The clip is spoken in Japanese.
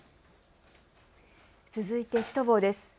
続いてシュトボーです。